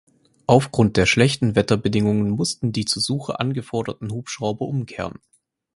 Aufgrund der schlechten Wetterbedingungen mussten die zur Suche angeforderten Hubschrauber umkehren.